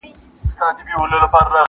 د نیکه او د بابا په کیسو پايي٫